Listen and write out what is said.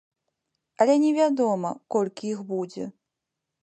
Але невядома, колькі іх будзе.